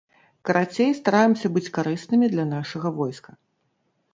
Карацей, стараемся быць карыснымі для нашага войска.